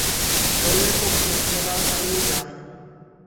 দলের পক্ষে খেলা চালিয়ে যান।